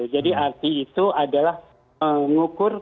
jadi arti itu adalah mengukur